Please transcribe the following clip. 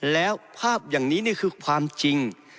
แล้วภาพอย่างนี้นี่คือความจริง